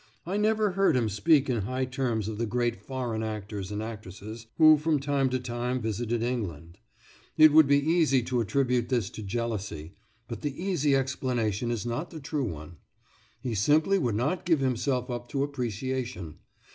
I never heard him speak in high terms of the great foreign actors and actresses who from time to time visited England. It would be easy to attribute this to jealousy, but the easy explanation is not the true one. He simply would not give himself up to appreciation.